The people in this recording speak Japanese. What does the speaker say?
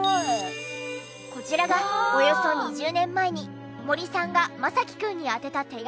こちらがおよそ２０年前に森さんがマサキくんに宛てた手紙。